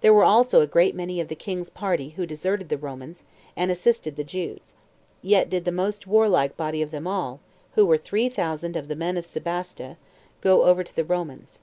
There were also a great many of the king's party who deserted the Romans, and assisted the Jews; yet did the most warlike body of them all, who were three thousand of the men of Sebaste, go over to the Romans.